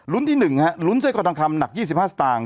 รุ้นที่๑รุ้นเจ้ากอดทองคำหนัก๒๕สตางค์